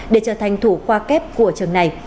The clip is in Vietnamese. để trở thành thủ khoa kép của trường này